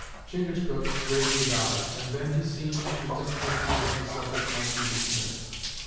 Chingachgook gravely bowed, and then he seemed to think this part of the subject might be dismissed.